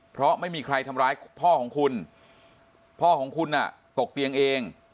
เพราะไม่มีใครทำร้ายพ่อของคุณพ่อของคุณตกเตียงเอง